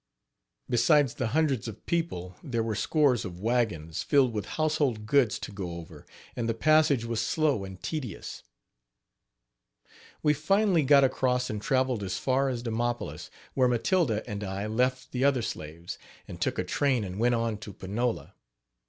Besides the hundreds of people, there were scores of wagons, filled with household goods to go over, and the passage was slow and tedious We finally got across and traveled as far as Demopolis, where Matilda and I left the other slaves, and took a train and went on to Panola.